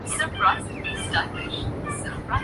وہ تو چھٹیاں گزارنے پاکستان آتے ہیں۔